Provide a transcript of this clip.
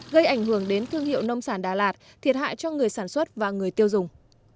gây ảnh hưởng đến thương hiệu nông sản đà lạt thiệt hại cho người sản xuất và người tiêu dùng